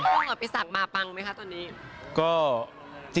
พี่ยิ่งขอไปสั่งมาปังไหมคะตอนนี้